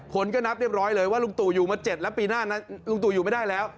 คนก็นับเรียบร้อยเลยว่าลุงตู่อยู่มา๗แล้วปีหน้านั้นลุงตู่อยู่ไม่ได้แล้ว